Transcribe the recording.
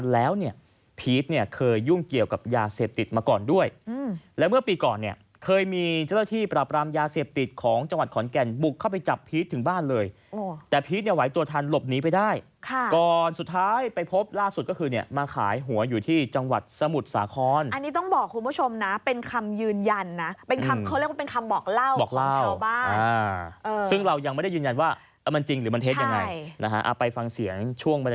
แล้วเนี่ยพีชเนี่ยเคยยุ่งเกี่ยวกับยาเสพติดมาก่อนด้วยแล้วเมื่อปีก่อนเนี่ยเคยมีเจ้าที่ปราบรามยาเสพติดของจังหวัดขอนแก่นบุกเข้าไปจับพีชถึงบ้านเลยแต่พีชเนี่ยไหวตัวทันหลบหนีไปได้ค่ะก่อนสุดท้ายไปพบล่าสุดก็คือเนี่ยมาขายหัวอยู่ที่จังหวัดสมุทรสาครอันนี้ต้องบอกคุณผู้ชมนะเป็นคำยืน